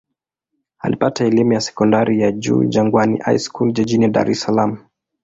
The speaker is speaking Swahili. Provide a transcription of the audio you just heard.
Alipata elimu ya sekondari ya juu Jangwani High School jijini Dar es Salaam.